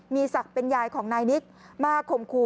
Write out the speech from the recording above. มีศักดิ์เป็นยายของนายนิกมาข่มครู